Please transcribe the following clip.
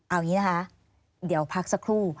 เอาอย่างนี้นะคะเดี๋ยวพักสักครู่